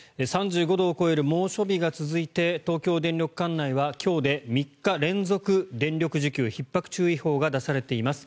３５度を超える猛暑日が続いて東京電力管内は今日で３日連続電力需給ひっ迫注意報が出されています。